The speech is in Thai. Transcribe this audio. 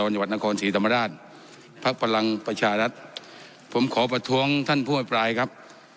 จังหวัดนครศรีธรรมราชภักดิ์พลังประชารัฐผมขอประท้วงท่านผู้อภิปรายครับ